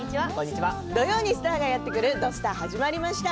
土曜にスターがやってくる「土スタ」始まりました。